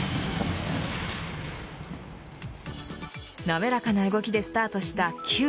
滑らかな動きでスタートしたＣＵＥ。